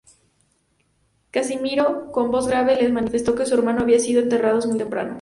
Casimiro con voz grave les manifestó que su hermano había sido enterrado muy temprano.